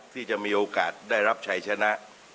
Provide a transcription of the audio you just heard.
ที่จะมีโอกาสได้รับชัยชนะ